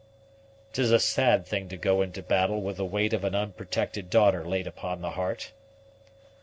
"'Tis a sad thing to go into battle with the weight of an unprotected daughter laid upon the heart."